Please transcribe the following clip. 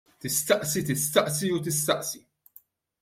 Tistaqsi, tistaqsi u tistaqsi!